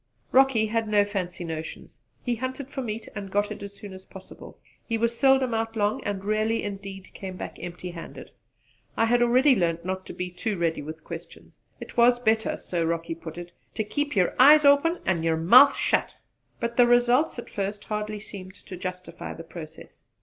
Rocky had no fancy notions: he hunted for meat and got it as soon as possible; he was seldom out long, and rarely indeed came back empty handed. I had already learnt not to be too ready with questions. It was better, so Rocky put it, "to keep yer eyes open and yer mouth shut"; but the results at first hardly seemed to justify the process.